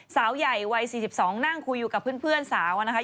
สาวใหญ่วัย๔๒นั่งคุยอยู่กับเพื่อนสาวนะคะ